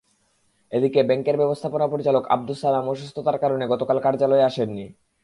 এদিকে ব্যাংকের ব্যবস্থাপনা পরিচালক আবদুস সালাম অসুস্থতার কারণে গতকাল কার্যালয়ে আসেননি।